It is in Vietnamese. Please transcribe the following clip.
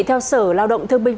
theo sở lao động thương binh